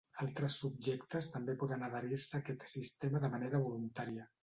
Altres subjectes també poden adherir-se a aquest sistema de manera voluntària.